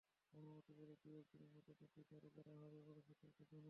অনুমতি পেলে দু-এক দিনের মধ্যে নোটিশ জারি করা হবে বলে সূত্রটি জানায়।